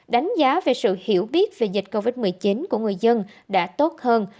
đánh giá về sự hiểu biết về dịch covid một mươi chín của người dân đã tốt hơn